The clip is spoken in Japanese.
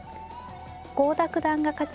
郷田九段が勝ち